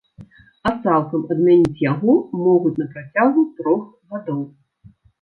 А цалкам адмяніць яго могуць на працягу трох гадоў.